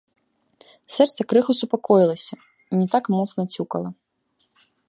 Сэрца крыху супакоілася і не так моцна цюкала.